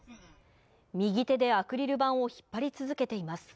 右手でアクリル板を引っ張り続けています。